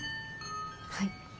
はい。